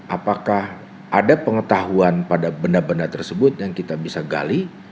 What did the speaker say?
apakah ada pengetahuan pada benda benda tersebut yang kita bisa gali